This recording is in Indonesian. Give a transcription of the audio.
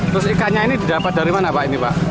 terus ikannya ini didapat dari mana pak